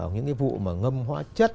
những cái vụ mà ngâm hóa chất